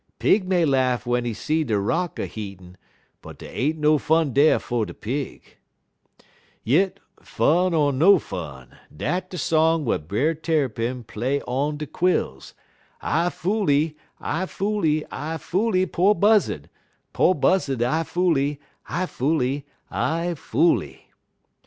Pig may laugh w'en he see de rock a heatin', but dey ain't no fun dar fer de pig. "Yit, fun er no fun, dat de song w'at Brer Tarrypin play on de quills: "'_I foolee, I foolee, I foolee po' Buzzud; Po' Buzzud I foolee, I foolee, I foolee.